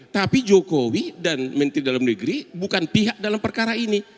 tapi jokowi dan menteri dalam negeri bukan pihak dalam perkara ini